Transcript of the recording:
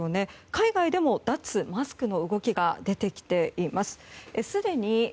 海外でも脱マスクの動きが出てきています。